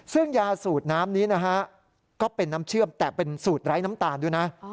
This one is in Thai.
ซึ่งยาสูตรน้ำนี้นะฮะก็เป็นน้ำเชื่อมแต่เป็นสูตรไร้น้ำตาลด้วยนะ